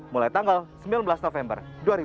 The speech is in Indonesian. mulai tanggal sembilan belas november dua ribu dua puluh